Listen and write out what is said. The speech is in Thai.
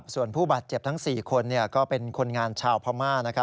ส่วนผู้บาดเจ็บทั้ง๔คนก็เป็นคนงานชาวพม่า